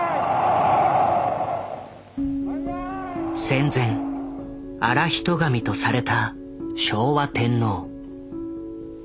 戦前現人神とされた昭和天皇。